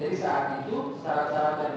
jadi saat itu syarat syarat dari